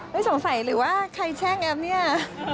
สงสัยหรือว่าใครแช่งแอปเนี่ย